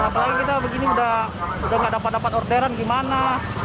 apalagi kita begini sudah tidak dapat dapat orderan gimana